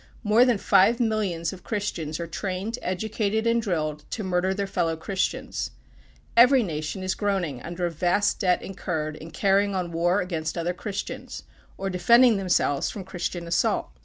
More than five millions of Christians are trained, educated, and drilled to murder their fellow christians. Every nation is groaning under a vast debt incurred in carrying on war against other Christians, or defending themselves from Christian assault.